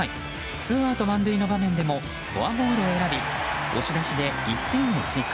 ツーアウト満塁の場面でもフォアボールを選び押し出しで１点を追加。